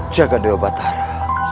jaga dewa batara